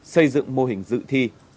xây dựng mô hình dự thi